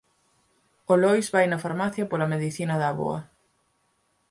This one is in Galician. O Lois vai na farmacia pola medicina da avoa.